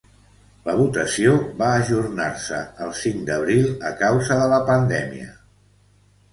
La votació va ajornar-se el cinc d’abril a causa de la pandèmia.